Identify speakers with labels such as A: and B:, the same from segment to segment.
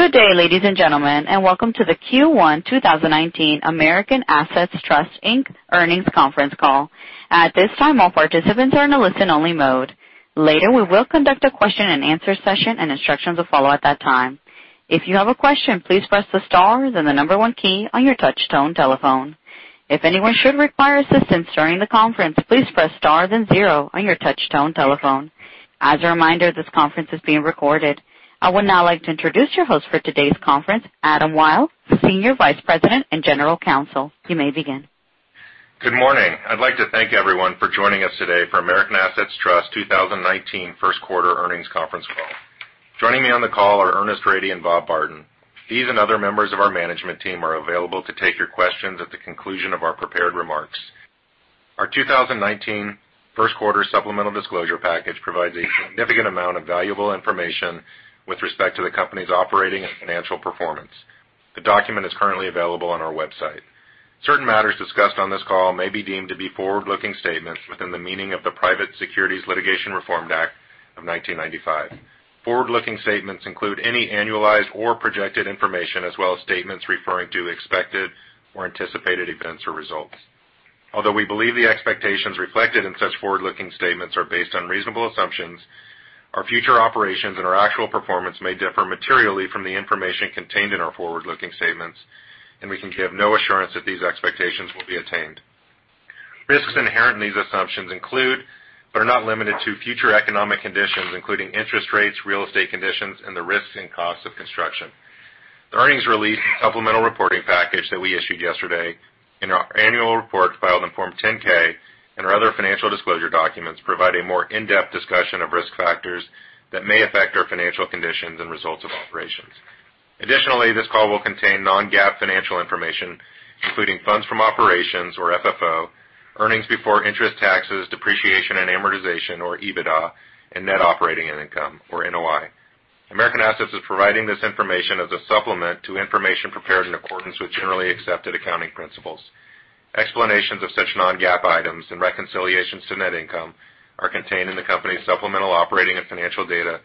A: Good day, ladies and gentlemen, and welcome to the Q1 2019 American Assets Trust, Inc. Earnings Conference Call. At this time, all participants are in a listen-only mode. Later, we will conduct a question and answer session, and instructions will follow at that time. If you have a question, please press the star, then the number 1 key on your touchtone telephone. If anyone should require assistance during the conference, please press star then 0 on your touchtone telephone. As a reminder, this conference is being recorded. I would now like to introduce your host for today's conference, Adam Wyll, Senior Vice President and General Counsel. You may begin.
B: Good morning. I'd like to thank everyone for joining us today for American Assets Trust 2019 first quarter earnings conference call. Joining me on the call are Ernest Rady and Robert Barton. These and other members of our management team are available to take your questions at the conclusion of our prepared remarks. Our 2019 first quarter supplemental disclosure package provides a significant amount of valuable information with respect to the company's operating and financial performance. The document is currently available on our website. Certain matters discussed on this call may be deemed to be forward-looking statements within the meaning of the Private Securities Litigation Reform Act of 1995. Forward-looking statements include any annualized or projected information as well as statements referring to expected or anticipated events or results. Although we believe the expectations reflected in such forward-looking statements are based on reasonable assumptions, our future operations and our actual performance may differ materially from the information contained in our forward-looking statements, we can give no assurance that these expectations will be attained. Risks inherent in these assumptions include, but are not limited to, future economic conditions, including interest rates, real estate conditions, and the risks and costs of construction. The earnings release supplemental reporting package that we issued yesterday in our annual report filed in Form 10-K and our other financial disclosure documents provide a more in-depth discussion of risk factors that may affect our financial conditions and results of operations. Additionally, this call will contain non-GAAP financial information, including funds from operations or FFO, earnings before interest, taxes, depreciation, and amortization or EBITDA, and net operating income or NOI. American Assets is providing this information as a supplement to information prepared in accordance with generally accepted accounting principles. Explanations of such non-GAAP items and reconciliations to net income are contained in the company's supplemental operating and financial data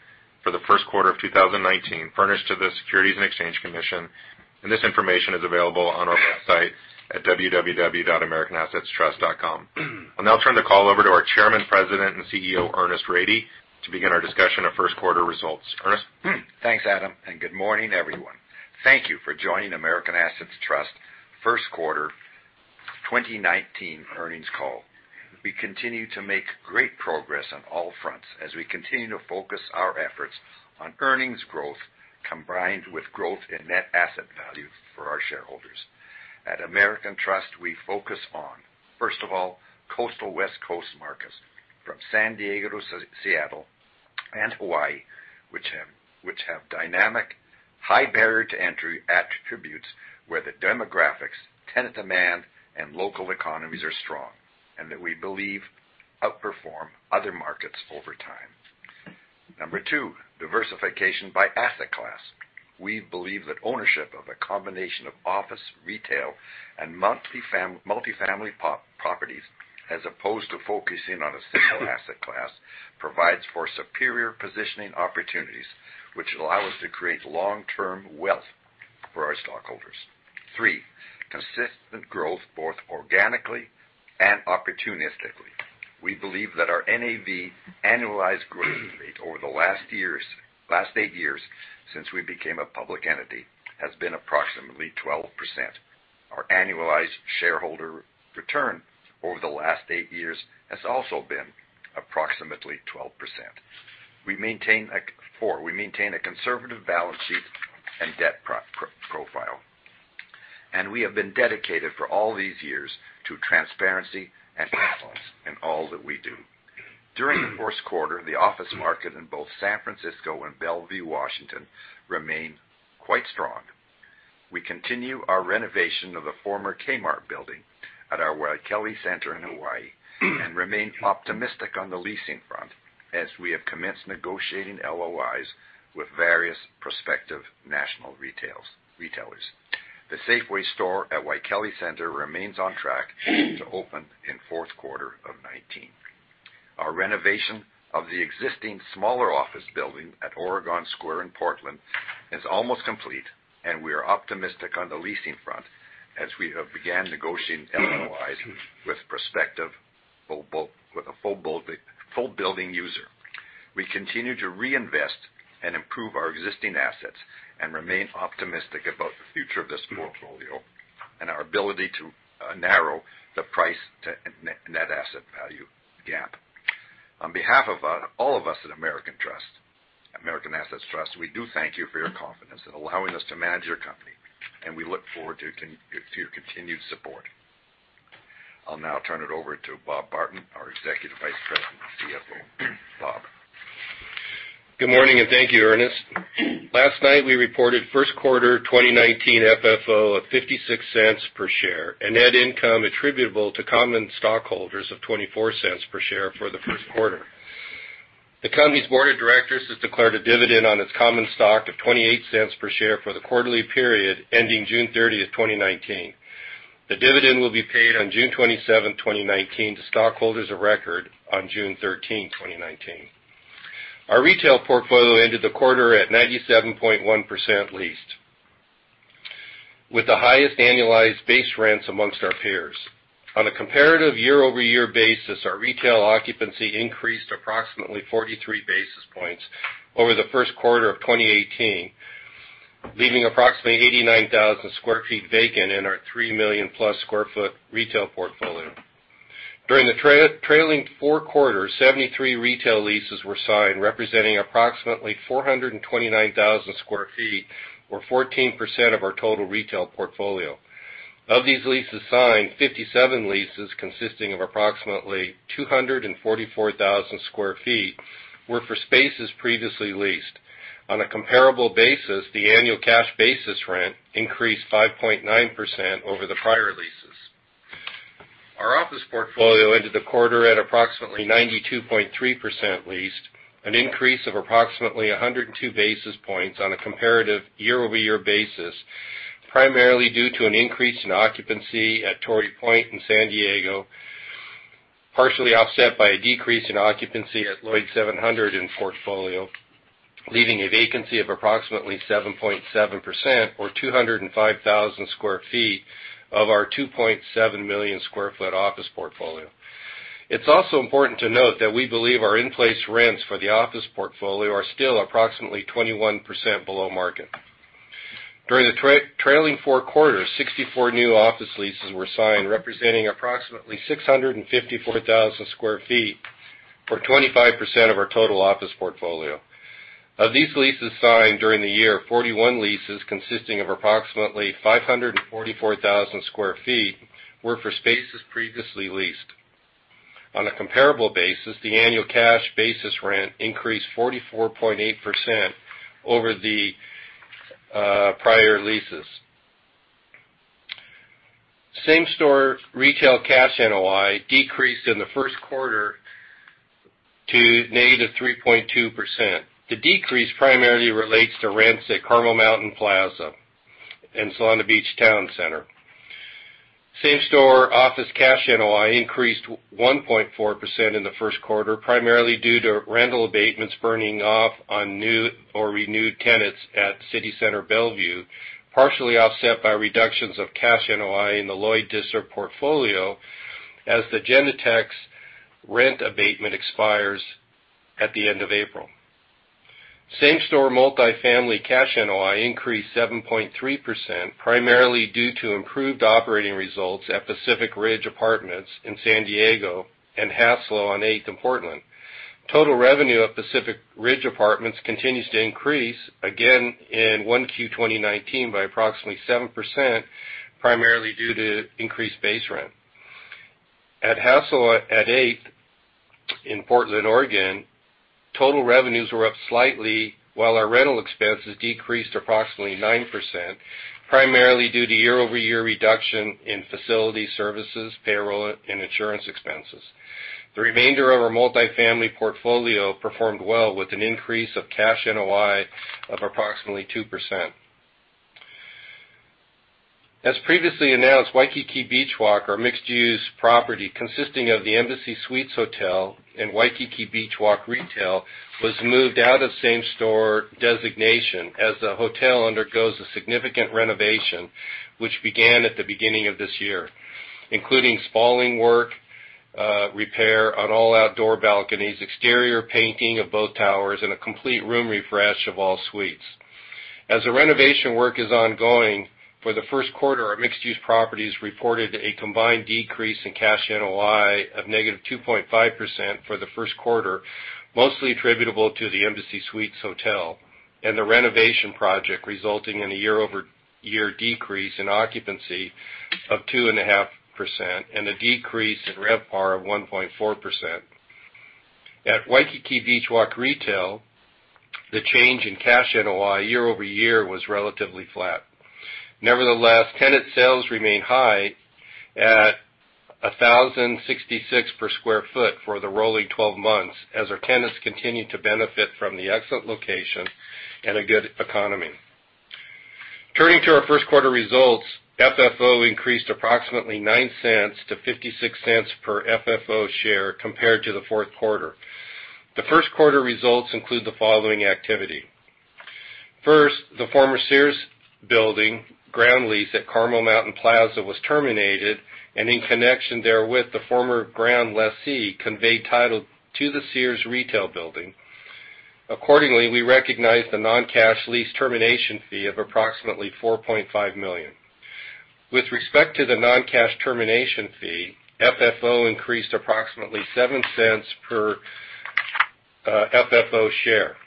B: for the first quarter of 2019, furnished to the Securities and Exchange Commission, and this information is available on our website at www.americanassetstrust.com. I'll now turn the call over to our Chairman, President, and CEO, Ernest Rady, to begin our discussion of first quarter results. Ernest?
C: Thanks, Adam, and good morning, everyone. Thank you for joining American Assets Trust first quarter 2019 earnings call. We continue to make great progress on all fronts as we continue to focus our efforts on earnings growth combined with growth in net asset value for our shareholders. At American Assets Trust, we focus on, first of all, coastal West Coast markets from San Diego to Seattle and Hawaii, which have dynamic high barrier to entry attributes where the demographics, tenant demand, and local economies are strong, and that we believe outperform other markets over time. Number two, diversification by asset class. We believe that ownership of a combination of office, retail, and multifamily properties as opposed to focusing on a single asset class, provides for superior positioning opportunities, which allow us to create long-term wealth for our stockholders. Three, consistent growth both organically and opportunistically. We believe that our NAV annualized growth rate over the last eight years since we became a public entity, has been approximately 12%. Our annualized shareholder return over the last eight years has also been approximately 12%. Four, we maintain a conservative balance sheet and debt profile. We have been dedicated for all these years to transparency and excellence in all that we do. During the first quarter, the office market in both San Francisco and Bellevue, Washington, remained quite strong. We continue our renovation of the former Kmart building at our Waikele Center in Hawaii and remain optimistic on the leasing front as we have commenced negotiating LOIs with various prospective national retailers. The Safeway store at Waikele Center remains on track to open in fourth quarter of 2019. Our renovation of the existing smaller office building at Oregon Square in Portland is almost complete, and we are optimistic on the leasing front as we have began negotiating LOIs with a full building user. We continue to reinvest and improve our existing assets and remain optimistic about the future of this portfolio and our ability to narrow the price to net asset value gap. On behalf of all of us at American Assets Trust, we do thank you for your confidence in allowing us to manage your company, and we look forward to your continued support. I'll now turn it over to Bob Barton, our Executive Vice President and CFO. Bob?
D: Good morning, thank you, Ernest. Last night, we reported first quarter 2019 FFO of $0.56 per share and net income attributable to common stockholders of $0.24 per share for the first quarter. The company's board of directors has declared a dividend on its common stock of $0.28 per share for the quarterly period ending June 30th, 2019. The dividend will be paid on June 27th, 2019 to stockholders of record on June 13th, 2019. Our retail portfolio ended the quarter at 97.1% leased, with the highest annualized base rents amongst our peers. On a comparative year-over-year basis, our retail occupancy increased approximately 43 basis points over the first quarter of 2018, leaving approximately 89,000 sq ft vacant in our 3 million-plus sq ft retail portfolio. During the trailing four quarters, 73 retail leases were signed, representing approximately 429,000 sq ft, or 14% of our total retail portfolio. Of these leases signed, 57 leases consisting of approximately 244,000 sq ft were for spaces previously leased. On a comparable basis, the annual cash basis rent increased 5.9% over the prior leases. Our office portfolio ended the quarter at approximately 92.3% leased, an increase of approximately 102 basis points on a comparative year-over-year basis, primarily due to an increase in occupancy at Torrey Point in San Diego, partially offset by a decrease in occupancy at Lloyd 700 in portfolio, leaving a vacancy of approximately 7.7%, or 205,000 sq ft of our 2.7 million sq ft office portfolio. It's also important to note that we believe our in-place rents for the office portfolio are still approximately 21% below market. During the trailing four quarters, 64 new office leases were signed, representing approximately 654,000 sq ft, or 25% of our total office portfolio. Of these leases signed during the year, 41 leases consisting of approximately 544,000 sq ft were for spaces previously leased. On a comparable basis, the annual cash basis rent increased 44.8% over the prior leases. Same-store retail cash NOI decreased in the first quarter to negative 3.2%. The decrease primarily relates to rents at Carmel Mountain Plaza and Solana Beach Town Center. Same-store office cash NOI increased 1.4% in the first quarter, primarily due to rental abatements burning off on new or renewed tenants at City Center Bellevue, partially offset by reductions of cash NOI in the Lloyd District portfolio as the Genentech's rent abatement expires at the end of April. Same-store multifamily cash NOI increased 7.3%, primarily due to improved operating results at Pacific Ridge Apartments in San Diego and Hassalo on Eighth in Portland. Total revenue at Pacific Ridge Apartments continues to increase again in 1Q 2019 by approximately 7%, primarily due to increased base rent. At Hassalo on Eighth in Portland, Oregon, total revenues were up slightly, while our rental expenses decreased approximately 9%, primarily due to year-over-year reduction in facility services, payroll, and insurance expenses. The remainder of our multifamily portfolio performed well with an increase of cash NOI of approximately 2%. As previously announced, Waikiki Beach Walk, our mixed-use property consisting of the Embassy Suites Hotel and Waikiki Beach Walk Retail, was moved out of same-store designation as the hotel undergoes a significant renovation, which began at the beginning of this year, including spalling work, repair on all outdoor balconies, exterior painting of both towers, and a complete room refresh of all suites. As the renovation work is ongoing, for the first quarter, our mixed-use properties reported a combined decrease in cash NOI of -2.5% for the first quarter, mostly attributable to the Embassy Suites Hotel and the renovation project, resulting in a year-over-year decrease in occupancy of 2.5% and a decrease in RevPAR of 1.4%. At Waikiki Beach Walk Retail, the change in cash NOI year-over-year was relatively flat. Nevertheless, tenant sales remain high at 1,066 per sq ft for the rolling 12 months as our tenants continue to benefit from the excellent location and a good economy. Turning to our first quarter results, FFO increased approximately $0.09 to $0.56 per FFO share compared to the fourth quarter. The first quarter results include the following activity. First, the former Sears building ground lease at Carmel Mountain Plaza was terminated, and in connection therewith, the former ground lessee conveyed title to the Sears retail building. Accordingly, we recognized the non-cash lease termination fee of approximately $4.5 million. With respect to the non-cash termination fee, FFO increased approximately $0.07 per FFO share.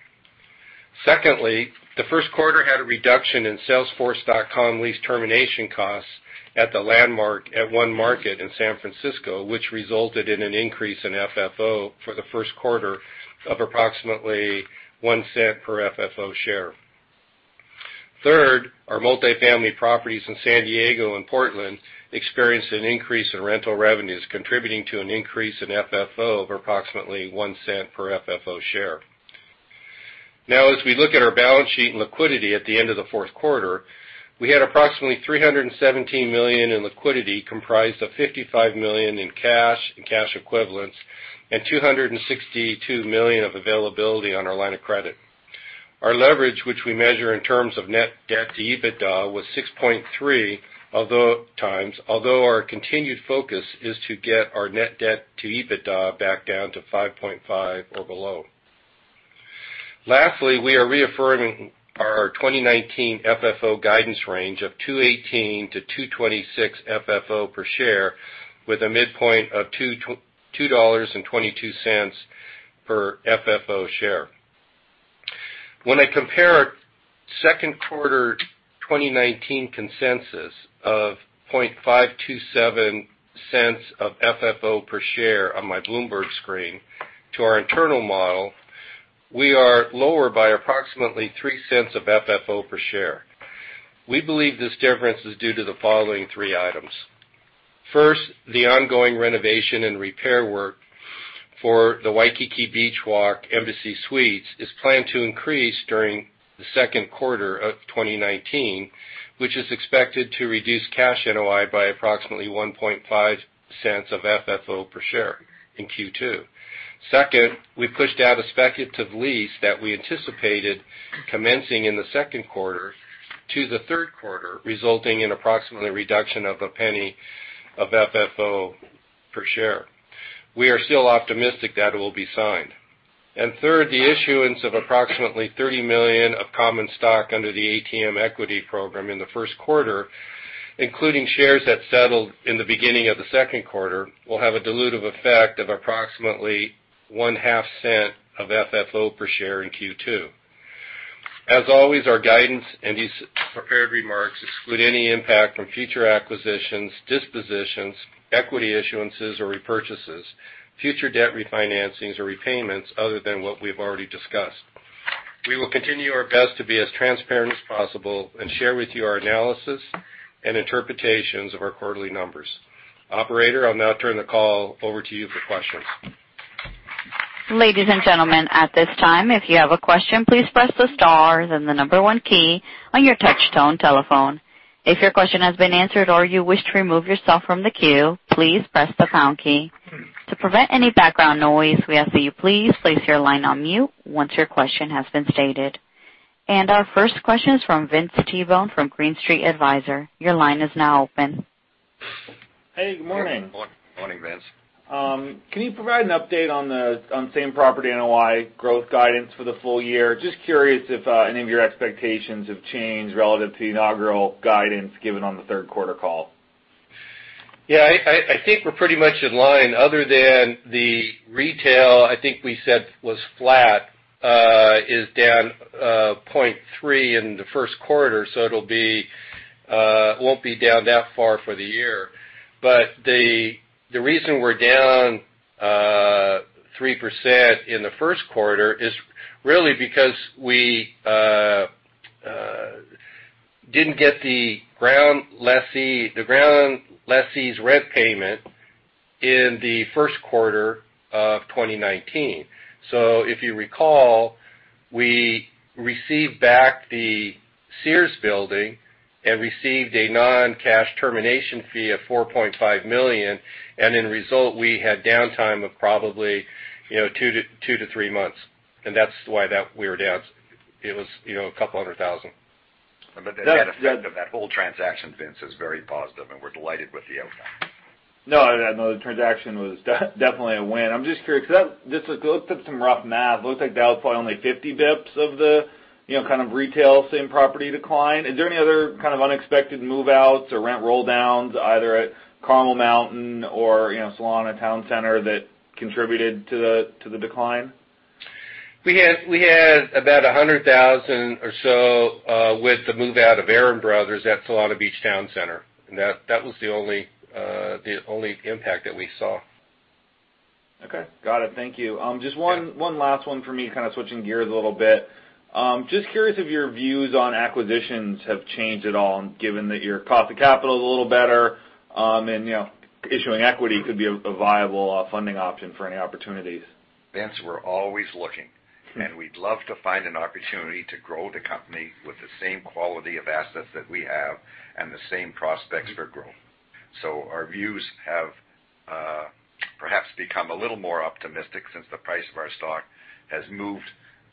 D: Secondly, the first quarter had a reduction in salesforce.com lease termination costs at The Landmark at One Market in San Francisco, which resulted in an increase in FFO for the first quarter of approximately $0.01 per FFO share. Third, our multifamily properties in San Diego and Portland experienced an increase in rental revenues, contributing to an increase in FFO of approximately $0.01 per FFO share. As we look at our balance sheet and liquidity at the end of the fourth quarter, we had approximately $317 million in liquidity, comprised of $55 million in cash and cash equivalents and $262 million of availability on our line of credit. Our leverage, which we measure in terms of net debt to EBITDA, was 6.3 times, although our continued focus is to get our net debt to EBITDA back down to 5.5 or below. Lastly, we are reaffirming our 2019 FFO guidance range of $2.18-$2.26 FFO per share with a midpoint of $2.22 per FFO share. When I compare second quarter 2019 consensus of $0.00527 of FFO per share on my Bloomberg screen to our internal model, we are lower by approximately $0.03 of FFO per share. We believe this difference is due to the following three items. First, the ongoing renovation and repair work for the Waikiki Beach Walk Embassy Suites is planned to increase during the second quarter of 2019, which is expected to reduce cash NOI by approximately $0.015 of FFO per share in Q2. Second, we pushed out a speculative lease that we anticipated commencing in the second quarter to the third quarter, resulting in approximately reduction of $0.01 of FFO per share. We are still optimistic that it will be signed. Third, the issuance of approximately $30 million of common stock under the ATM equity program in the first quarter, including shares that settled in the beginning of the second quarter, will have a dilutive effect of approximately one half cent of FFO per share in Q2. As always, our guidance and these prepared remarks exclude any impact from future acquisitions, dispositions, equity issuances or repurchases, future debt refinancings or repayments other than what we've already discussed. We will continue our best to be as transparent as possible and share with you our analysis and interpretations of our quarterly numbers. Operator, I'll now turn the call over to you for questions.
A: Ladies and gentlemen, at this time, if you have a question, please press the star then the number one key on your touch tone telephone. If your question has been answered or you wish to remove yourself from the queue, please press the pound key. To prevent any background noise, we ask that you please place your line on mute once your question has been stated. Our first question is from Vince Tibone from Green Street Advisors. Your line is now open.
E: Hey, good morning.
D: Good morning.
C: Morning, Vince.
E: Can you provide an update on the same property NOI growth guidance for the full year? Just curious if any of your expectations have changed relative to the inaugural guidance given on the third quarter call.
D: Yeah, I think we're pretty much in line other than the retail, I think we said was flat, is down 0.3 in the first quarter, so it won't be down that far for the year. The reason we're down 3% in the first quarter is really because we didn't get the ground lessee's rent payment in the first quarter of 2019. If you recall, we received back the Sears building and received a non-cash termination fee of $4.5 million, and in result, we had downtime of probably two to three months. That's why that we were down. It was a couple hundred thousand.
C: The net effect of that whole transaction, Vince, is very positive, and we're delighted with the outcome.
E: No, the transaction was definitely a win. I'm just curious, because let's look at some rough math. It looks like that was probably only 50 basis points of the kind of retail same property decline. Is there any other kind of unexpected move-outs or rent roll-downs either at Carmel Mountain or Solana Town Center that contributed to the decline?
D: We had about 100,000 or so with the move out of Aaron Brothers at Solana Beach Town Center. That was the only impact that we saw.
E: Okay, got it. Thank you.
D: Yeah.
E: Just one last one for me, kind of switching gears a little bit. Just curious if your views on acquisitions have changed at all, given that your cost of capital is a little better. Issuing equity could be a viable funding option for any opportunities.
C: Vince, we're always looking, we'd love to find an opportunity to grow the company with the same quality of assets that we have and the same prospects for growth. Our views have perhaps become a little more optimistic since the price of our stock has moved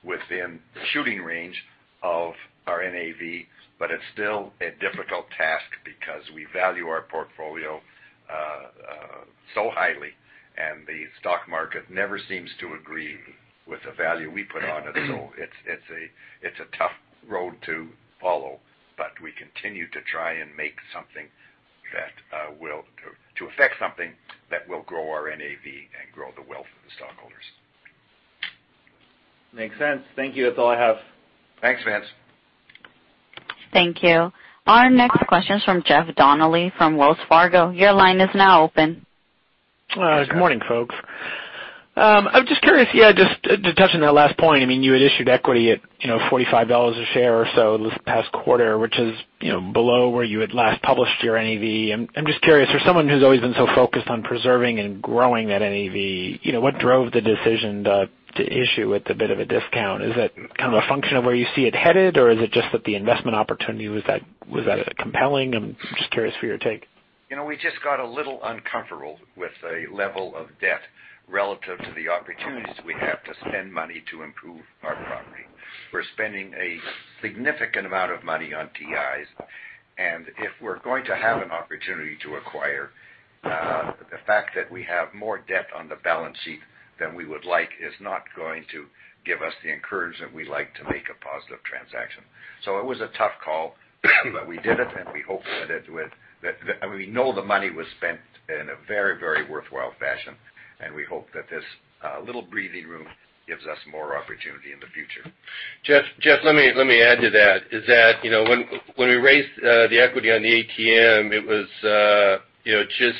C: within shooting range of our NAV, it's still a difficult task because we value our portfolio so highly, and the stock market never seems to agree with the value we put on it. It's a tough road to follow, but we continue to try and to affect something that will grow our NAV and grow the wealth of the stockholders.
E: Makes sense. Thank you. That's all I have.
C: Thanks, Vince.
A: Thank you. Our next question is from Jeff Donnelly from Wells Fargo. Your line is now open.
F: Good morning, folks. I'm just curious. Just to touch on that last point, you had issued equity at $45 a share or so this past quarter, which is below where you had last published your NAV. I'm just curious, for someone who's always been so focused on preserving and growing that NAV, what drove the decision to issue at a bit of a discount? Is that a function of where you see it headed, or is it just that the investment opportunity, was that compelling? I'm just curious for your take.
C: We just got a little uncomfortable with the level of debt relative to the opportunities we have to spend money to improve our property. We're spending a significant amount of money on TIs. If we're going to have an opportunity to acquire, the fact that we have more debt on the balance sheet than we would like is not going to give us the encouragement we like to make a positive transaction. It was a tough call, we did it, and we hope that it. We know the money was spent in a very, very worthwhile fashion. We hope that this little breathing room gives us more opportunity in the future.
G: Jeff, let me add to that, is that, when we raised the equity on the ATM, it was just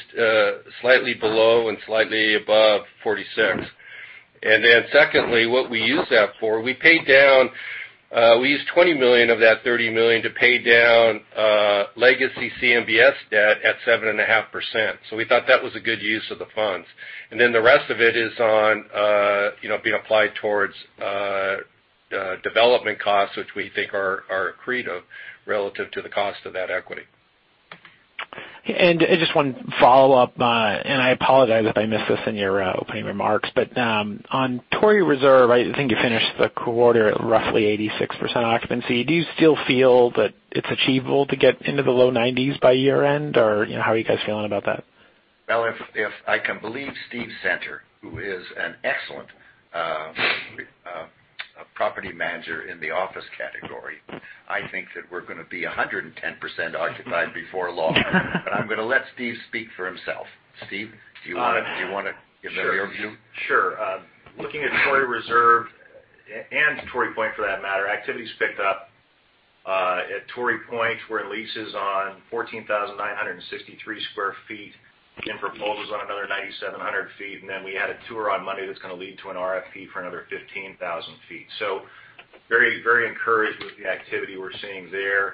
G: slightly below and slightly above 46. Secondly, what we used that for, we used $20 million of that $30 million to pay down legacy CMBS debt at 7.5%. We thought that was a good use of the funds. The rest of it is on being applied towards development costs, which we think are accretive relative to the cost of that equity.
F: Just one follow-up, I apologize if I missed this in your opening remarks. On Torrey Reserve, I think you finished the quarter at roughly 86% occupancy. Do you still feel that it's achievable to get into the low 90s by year-end, or how are you guys feeling about that?
C: If I can believe Steve Center, who is an excellent property manager in the office category, I think that we're going to be 110% occupied before long. I'm going to let Steve speak for himself. Steve, do you want to give them your view?
G: Sure. Looking at Torrey Reserve and Torrey Point for that matter, activity's picked up. At Torrey Point, we're at leases on 14,963 square feet in proposals on another 9,700 feet. We had a tour on Monday that's going to lead to an RFP for another 15,000 feet. Very encouraged with the activity we're seeing there.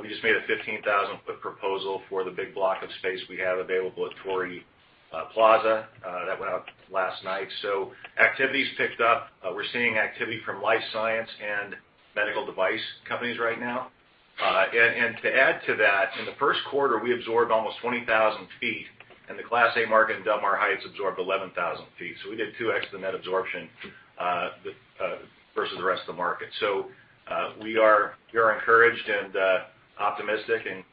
G: We just made a 15,000-foot proposal for the big block of space we have available at Torrey Plaza. That went out last night. Activity's picked up. We're seeing activity from life science and medical device companies right now. To add to that, in the first quarter, we absorbed almost 20,000 feet, and the Class A market in Del Mar Heights absorbed 11,000 feet. We did 2X the net absorption versus the rest of the market. We are encouraged and optimistic, and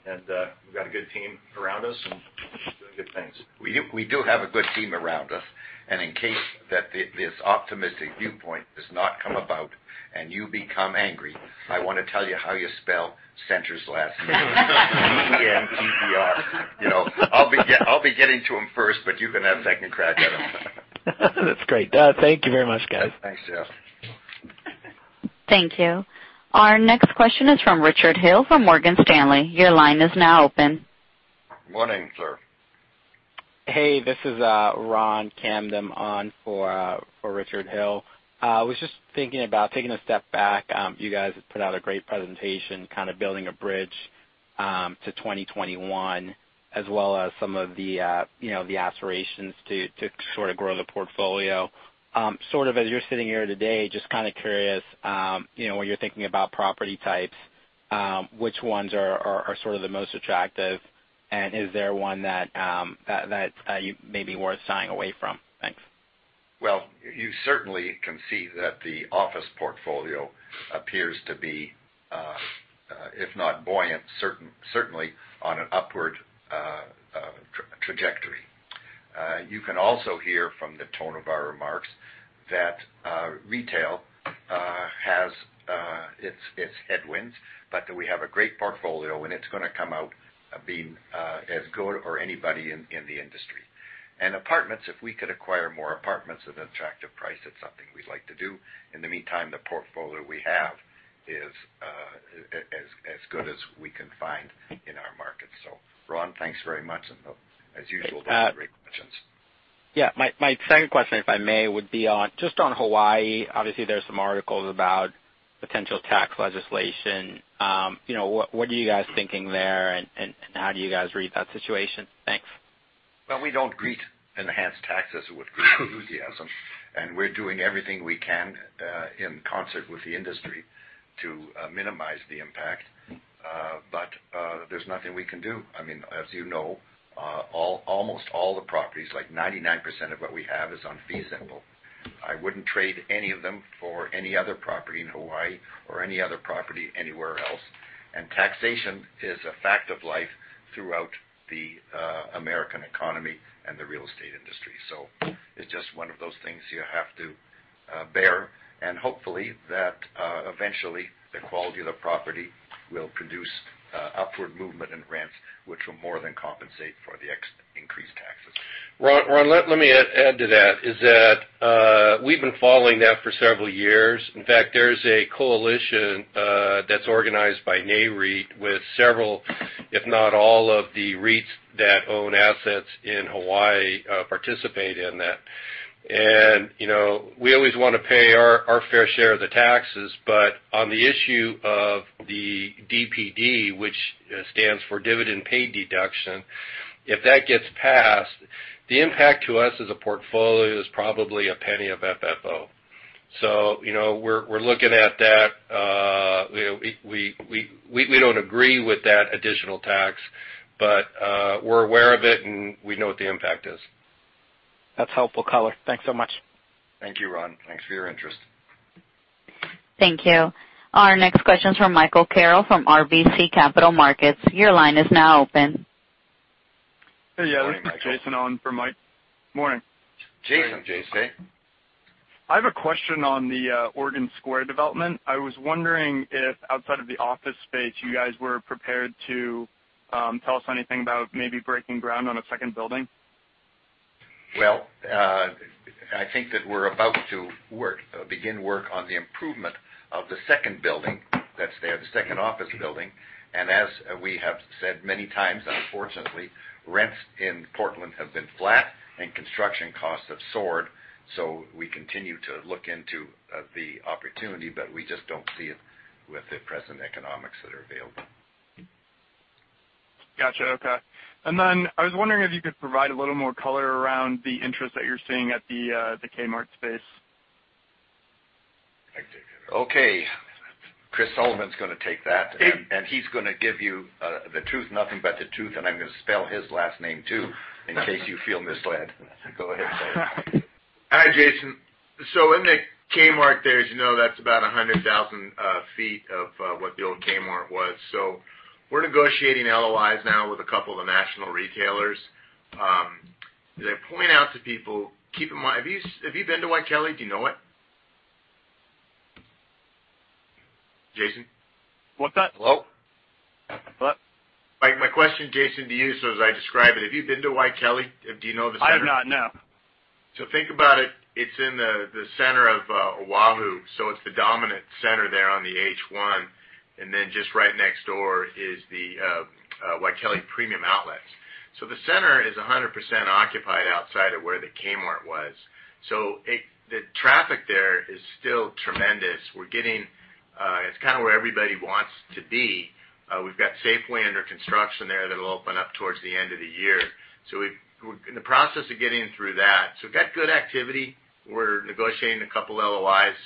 G: we've got a good team around us and doing good things.
C: We do have a good team around us, and in case that this optimistic viewpoint does not come about and you become angry, I want to tell you how you spell Center's last name. C-E-N-T-E-R. I'll be getting to him first, but you can have second crack at him.
F: That's great. Thank you very much, guys.
C: Thanks, Jeff.
A: Thank you. Our next question is from Richard Hill from Morgan Stanley. Your line is now open.
C: Morning, sir.
H: Hey, this is Ronald Kamdem on for Richard Hill. I was just thinking about taking a step back. You guys have put out a great presentation, kind of building a bridge to 2021, as well as some of the aspirations to sort of grow the portfolio. As you're sitting here today, just kind of curious, when you're thinking about property types, which ones are sort of the most attractive, and is there one that's maybe worth shying away from? Thanks.
C: You certainly can see that the office portfolio appears to be, if not buoyant, certainly on an upward trajectory. You can also hear from the tone of our remarks that retail has its headwinds, but that we have a great portfolio, and it's going to come out being as good or anybody in the industry. Apartments, if we could acquire more apartments at an attractive price, that's something we'd like to do. In the meantime, the portfolio we have is as good as we can find in our market. Ron, thanks very much, and as usual, they're great questions.
H: My second question, if I may, would be just on Hawaii. Obviously, there's some articles about potential tax legislation. What are you guys thinking there, and how do you guys read that situation? Thanks.
C: We don't greet enhanced taxes with great enthusiasm, and we're doing everything we can in concert with the industry to minimize the impact. There's nothing we can do. As you know, almost all the properties, like 99% of what we have, is on fee simple. I wouldn't trade any of them for any other property in Hawaii or any other property anywhere else. Taxation is a fact of life throughout the American economy and the real estate industry. It's just one of those things you have to bear, and hopefully that eventually the quality of the property will produce upward movement in rents, which will more than compensate for the increased taxes.
G: Ron, let me add to that, is that we've been following that for several years. In fact, there's a coalition that's organized by Nareit with several, if not all of the REITs that own assets in Hawaii participate in that.
D: We always want to pay our fair share of the taxes. On the issue of the DPD, which stands for dividend paid deduction, if that gets passed, the impact to us as a portfolio is probably a penny of FFO. We're looking at that. We don't agree with that additional tax, but we're aware of it, and we know what the impact is.
H: That's helpful color. Thanks so much.
D: Thank you, Ron. Thanks for your interest.
A: Thank you. Our next question is from Michael Carroll from RBC Capital Markets. Your line is now open.
I: Hey. Yeah.
D: Hi, Michael.
I: This is Jason on for Mike. Morning.
D: Jason. JC.
I: I have a question on the Oregon Square development. I was wondering if outside of the office space, you guys were prepared to tell us anything about maybe breaking ground on a second building?
D: Well, I think that we're about to begin work on the improvement of the second building, that's there, the second office building. As we have said many times, unfortunately, rents in Portland have been flat and construction costs have soared. We continue to look into the opportunity, but we just don't see it with the present economics that are available.
I: Got you. Okay. Then I was wondering if you could provide a little more color around the interest that you're seeing at the Kmart space.
D: I can take it.
I: Okay.
D: Chris Sullivan's going to take that.
I: It-
D: He's going to give you the truth, nothing but the truth, and I'm going to spell his last name too, in case you feel misled. Go ahead, Chris.
J: Hi, Jason. In the Kmart there, as you know, that's about 100,000 feet of what the old Kmart was. We're negotiating LOIs now with a couple of the national retailers. As I point out to people, keep in mind, have you been to Waikele? Do you know it? Jason?
I: What's that?
D: Hello?
I: What?
J: My question, Jason, to you, as I describe it, have you been to Waikele? Do you know the center?
I: I have not, no.
J: Think about it. It's in the center of Oahu, it's the dominant center there on the H1. Just right next door is the Waikele Premium Outlets. The center is 100% occupied outside of where the Kmart was. The traffic there is still tremendous. It's kind of where everybody wants to be. We've got Safeway under construction there that'll open up towards the end of the year. We're in the process of getting through that. We've got good activity. We're negotiating a couple of LOIs.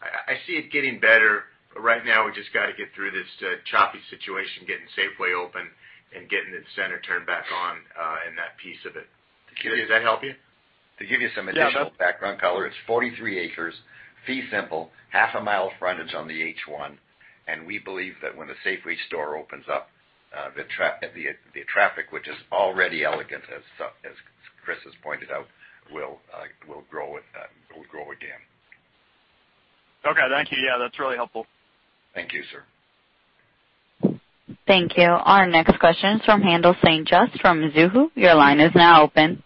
J: I see it getting better. Right now, we've just got to get through this choppy situation, getting Safeway open and getting the center turned back on, and that piece of it.
I: Sure.
J: Does that help you?
I: Yeah.
D: To give you some additional background color, it's 43 acres, fee simple, half a mile frontage on the H1. We believe that when the Safeway store opens up, the traffic, which is already elegant as Chris has pointed out, will grow again.
I: Okay. Thank you. Yeah, that's really helpful.
D: Thank you, sir.
A: Thank you. Our next question is from Haendel St. Juste from Mizuho. Your line is now open.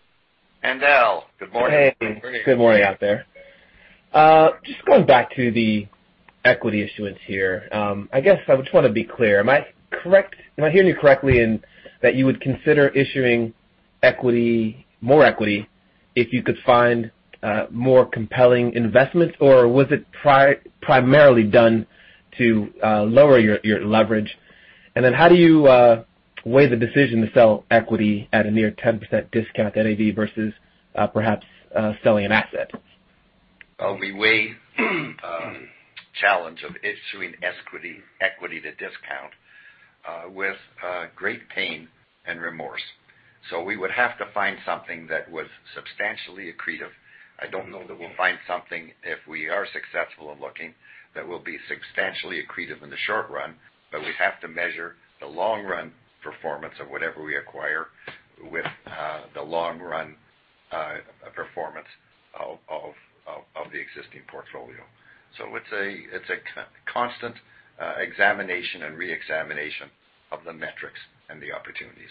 D: Haendel, good morning.
K: Hey, good morning out there. Just going back to the equity issuance here. I guess I just want to be clear. Am I hearing you correctly in that you would consider issuing more equity if you could find more compelling investments, or was it primarily done to lower your leverage? How do you weigh the decision to sell equity at a near 10% discount NAV versus perhaps selling an asset?
C: We weigh challenge of issuing equity to discount with great pain and remorse. We would have to find something that was substantially accretive. I don't know that we'll find something if we are successful in looking that will be substantially accretive in the short run, but we have to measure the long-run performance of whatever we acquire with the long-run performance of the existing portfolio. It's a constant examination and reexamination of the metrics and the opportunities.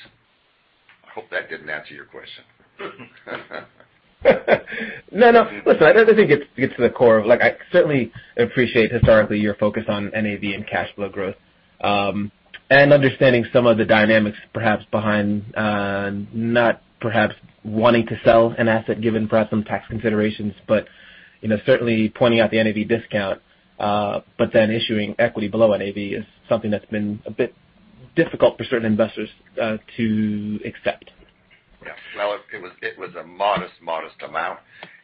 C: I hope that didn't answer your question.
K: No, no. Listen, I think it gets to the core of I certainly appreciate historically your focus on NAV and cash flow growth, and understanding some of the dynamics perhaps behind not perhaps wanting to sell an asset given perhaps some tax considerations. Certainly pointing out the NAV discount, then issuing equity below NAV is something that's been a bit difficult for certain investors to accept.
C: Yeah. It was a modest amount,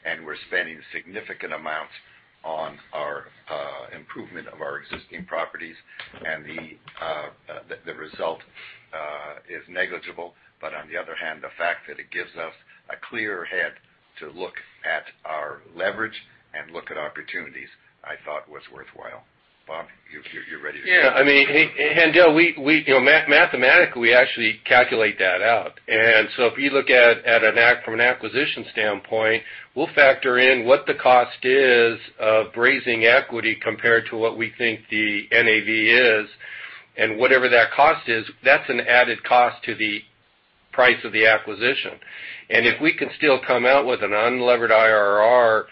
C: and we're spending significant amounts on our improvement of our existing properties, and the result is negligible. On the other hand, the fact that it gives us a clearer head to look at our leverage and look at opportunities, I thought was worthwhile. Bob, you're ready to go.
D: Yeah. Handel, mathematically, we actually calculate that out. If you look from an acquisition standpoint, we'll factor in what the cost is of raising equity compared to what we think the NAV is. Whatever that cost is, that's an added cost to the price of the acquisition. If we can still come out with an unlevered IRR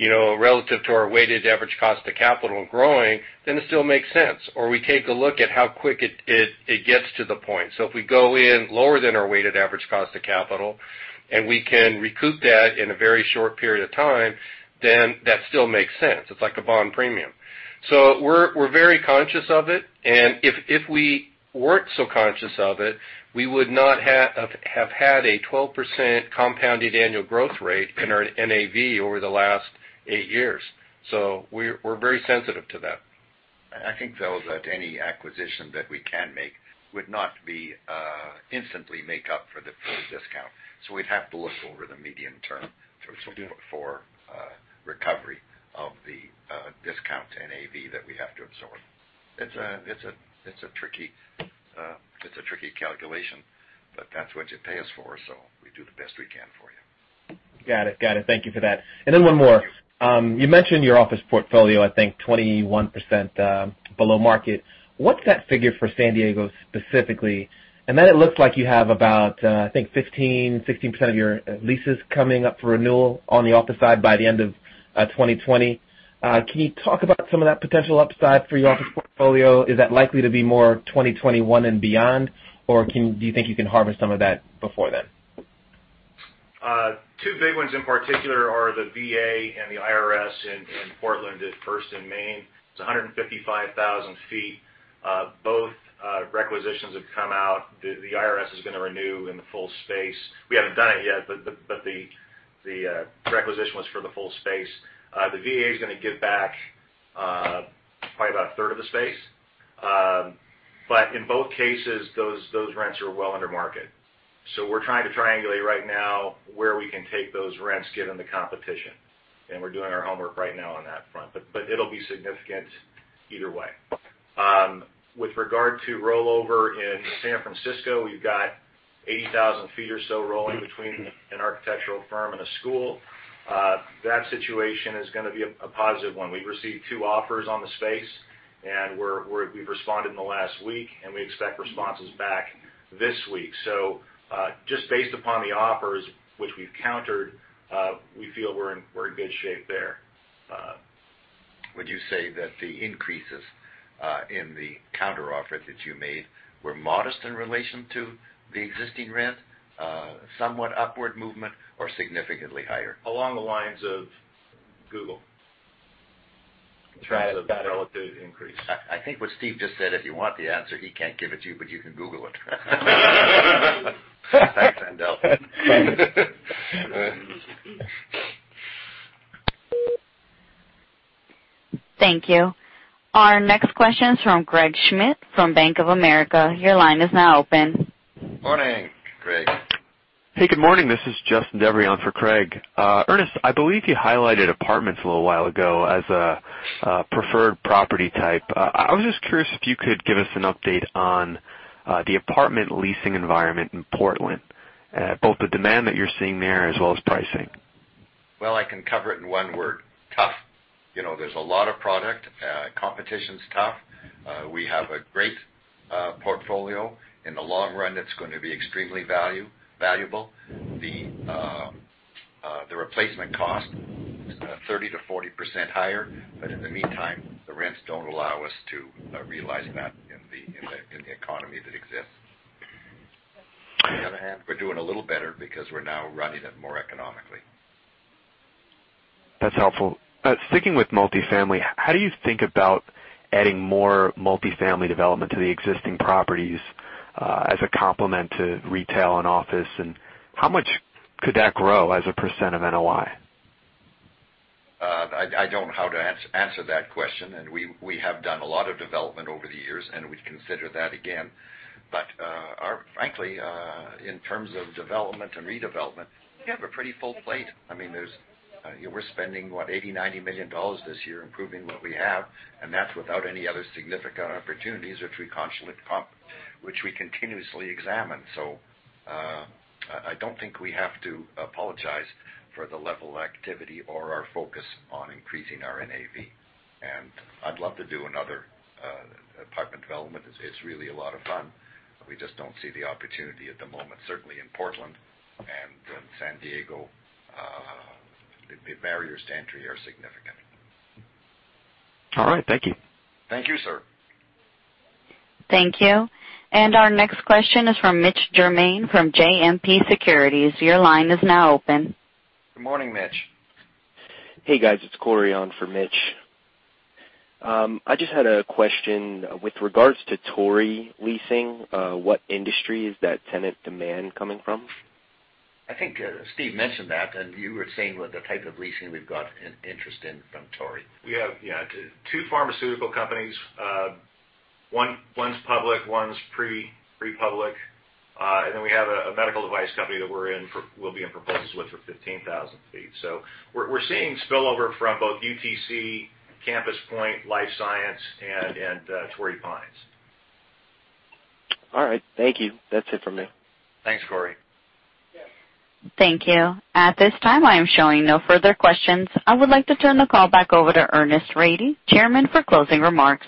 D: Relative to our weighted average cost of capital growing, it still makes sense. We take a look at how quick it gets to the point. If we go in lower than our weighted average cost of capital, and we can recoup that in a very short period of time, that still makes sense. It's like a bond premium. We're very conscious of it, and if we weren't so conscious of it, we would not have had a 12% compounded annual growth rate in our NAV over the last eight years. We're very sensitive to that.
C: I think, though, that any acquisition that we can make would not instantly make up for the full discount. We'd have to look over the medium term.
G: We do
C: for recovery of the discount to NAV that we have to absorb. It's a tricky calculation, that's what you pay us for, we do the best we can for you.
K: Got it. Thank you for that. One more. You mentioned your office portfolio, I think 21% below market. What's that figure for San Diego specifically? It looks like you have about, I think, 15%, 16% of your leases coming up for renewal on the office side by the end of 2020. Can you talk about some of that potential upside for your office portfolio? Is that likely to be more 2021 and beyond, or do you think you can harvest some of that before then?
G: Two big ones in particular are the VA and the IRS in Portland at First & Main. It's 155,000 feet. Both requisitions have come out. The IRS is going to renew in the full space. We haven't done it yet, but the requisition was for the full space. The VA's going to give back probably about a third of the space. In both cases, those rents are well under market. We're trying to triangulate right now where we can take those rents given the competition, and we're doing our homework right now on that front. It'll be significant either way. With regard to rollover in San Francisco, we've got 80,000 feet or so rolling between an architectural firm and a school. That situation is going to be a positive one. We've received two offers on the space, we've responded in the last week, we expect responses back this week. Just based upon the offers, which we've countered, we feel we're in good shape there.
C: Would you say that the increases in the counteroffer that you made were modest in relation to the existing rent, somewhat upward movement, or significantly higher?
G: Along the lines of Google.
C: Try to-
G: A relative increase.
C: I think what Steve just said, if you want the answer, he can't give it to you, but you can Google it. Thanks, Handel.
A: Thank you. Our next question is from Craig Schmidt from Bank of America. Your line is now open.
C: Morning, Craig.
L: Hey, good morning. This is Justin Devery on for Craig. Ernest, I believe you highlighted apartments a little while ago as a preferred property type. I was just curious if you could give us an update on the apartment leasing environment in Portland, both the demand that you're seeing there as well as pricing.
C: Well, I can cover it in one word: tough. There's a lot of product. Competition's tough. We have a great portfolio. In the long run, it's going to be extremely valuable. The replacement cost is 30%-40% higher, but in the meantime, the rents don't allow us to realize that in the economy that exists. On the other hand, we're doing a little better because we're now running it more economically.
L: That's helpful. Sticking with multifamily, how do you think about adding more multifamily development to the existing properties as a complement to retail and office? How much could that grow as a percent of NOI?
C: I don't know how to answer that question. We have done a lot of development over the years, and we'd consider that again. Frankly, in terms of development and redevelopment, we have a pretty full plate. We're spending, what, $80 million, $90 million this year improving what we have, and that's without any other significant opportunities which we continuously examine. I don't think we have to apologize for the level of activity or our focus on increasing our NAV. I'd love to do another apartment development. It's really a lot of fun. We just don't see the opportunity at the moment, certainly in Portland and in San Diego. The barriers to entry are significant.
L: All right. Thank you.
C: Thank you, sir.
A: Thank you. Our next question is from Mitch Germain from JMP Securities. Your line is now open.
C: Good morning, Mitch.
M: Hey, guys. It's Cory on for Mitch. I just had a question with regards to Torrey leasing. What industry is that tenant demand coming from?
C: I think Steve mentioned that, and you were saying what the type of leasing we've got an interest in from Torrey.
G: We have, yeah, two pharmaceutical companies. One's public, one's pre-public. We have a medical device company that we'll be in proposals with for 15,000 feet. We're seeing spillover from both UTC, CampusPoint, life science, and Torrey Pines.
M: All right. Thank you. That's it from me.
C: Thanks, Cory.
A: Thank you. At this time, I am showing no further questions. I would like to turn the call back over to Ernest Rady, Chairman, for closing remarks.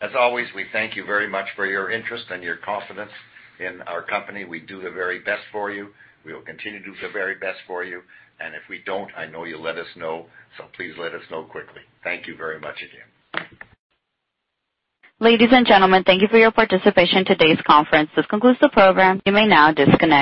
C: As always, we thank you very much for your interest and your confidence in our company. We do the very best for you. We will continue to do the very best for you. If we don't, I know you'll let us know, so please let us know quickly. Thank you very much again.
A: Ladies and gentlemen, thank you for your participation in today's conference. This concludes the program. You may now disconnect.